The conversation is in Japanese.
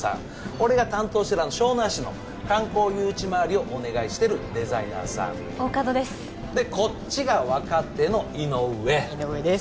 俺が担当してる湘南市の観光誘致まわりをお願いしてるデザイナーさん大加戸ですでこっちが若手の井上井上です